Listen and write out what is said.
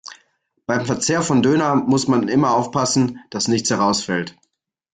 Beim Verzehr von Döner muss man immer aufpassen, dass nichts herausfällt.